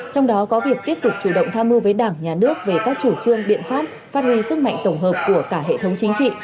trong đó có việc tiếp tục chủ động tham mưu với đảng nhà nước về các chủ trương biện pháp phát huy sức mạnh tổng hợp của cả hệ thống chính trị